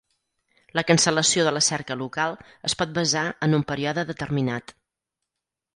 La cancel·lació de la cerca local es pot basar en un període determinat.